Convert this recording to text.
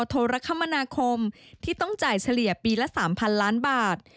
โทรคมนาคมที่ต้องจ่ายเฉลี่ยปีละ๓๐๐ล้านบาท